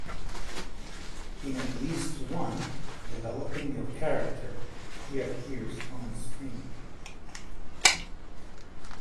In at least one, "Developing Your Character", he appears on screen.